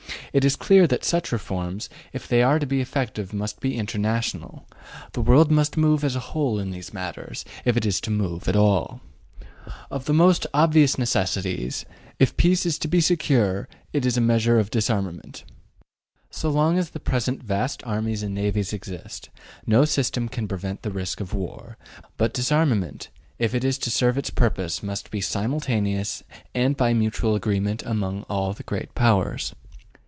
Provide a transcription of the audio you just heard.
It is clear that such reforms, if they are to be effective, must be international; the world must move as a whole in these matters, if it is to move at all. One of the most obvious necessities, if peace is to be secure, is a measure of disarmament. So long as the present vast armies and navies exist, no system can prevent the risk of war. But disarmament, if it is to serve its purpose, must be simultaneous and by mutual agreement among all the Great Powers.